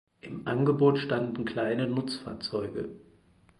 Im Angebot standen kleine Nutzfahrzeuge.